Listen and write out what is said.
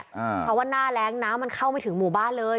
เพราะว่าหน้าแรงน้ำมันเข้าไม่ถึงหมู่บ้านเลย